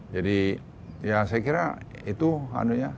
jadi ya saya kira itu anunya